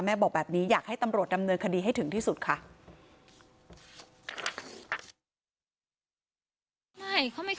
บอกแบบนี้อยากให้ตำรวจดำเนินคดีให้ถึงที่สุดค่ะ